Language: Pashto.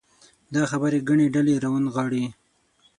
دا خبرې ګڼې ډلې راونغاړي.